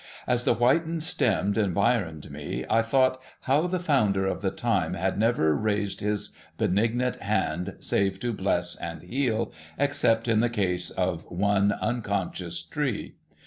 As the whitened stems environed me, I thought how the Founder of the time had never raised his benignant hand, save to bless and heal, except in the case of one unconscious tree.